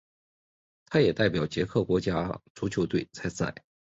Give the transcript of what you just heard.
他也代表捷克国家足球队参赛。